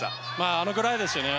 あのぐらいですね。